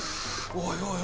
おいおい。